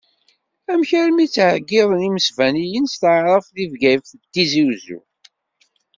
Amek armi ttɛeyyiḍen imesbaniyen s taɛrabt deg Bgayet d Tizi Wezzu?